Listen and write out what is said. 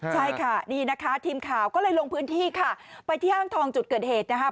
ใช่ค่ะนี่นะคะทีมข่าวก็เลยลงพื้นที่ค่ะไปที่ห้างทองจุดเกิดเหตุนะคะ